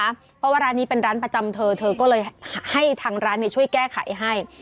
เพราะว่าร้านนี้เป็นร้านประจำเธอเธอก็เลยให้ทางร้านช่วยแก้ไขให้